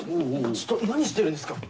ちょっと何してるんですか？